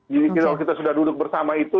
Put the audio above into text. jadi kalau kita sudah duduk bersama itu